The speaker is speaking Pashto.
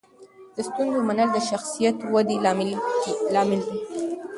د ستونزو منل د شخصیت ودې لامل دی.